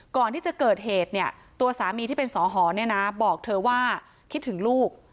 ก่อนที่จะเกิดเหตุเนี่ยตัวสามีที่เป็นสอหอเนี่ยนะบอกเธอว่าคิดถึงลูก